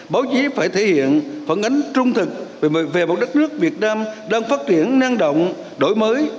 báo chí phải thể hiện phản ánh trung thực về một đất nước việt nam đang phát triển năng động đổi mới